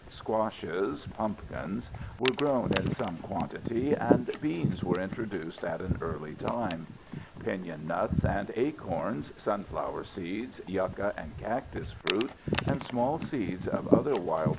Squashes (pumpkins) were grown in some quantity, and beans were introduced at an early time. Pinyon nuts and acorns, sunflower seeds, yucca and cactus fruit, and small seeds of other wild plants were gathered for food.